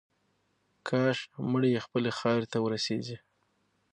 کاش مړی یې خپلې خاورې ته ورسیږي.